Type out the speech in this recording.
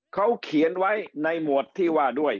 เขาเขียนไว้ในหมวดที่ว่าด้วย